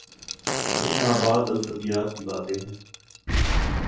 یہ مابعد الطبیعیات کی باتیں ہیں۔